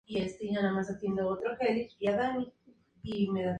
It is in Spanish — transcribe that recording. El litoral se caracteriza por algunas ensenadas, caletas y acantilados.